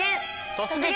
「突撃！